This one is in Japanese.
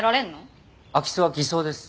空き巣は偽装です。